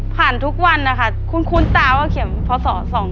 ผ่านทุกวันคุณคุณตาวเขียนพศ๒๕๓๕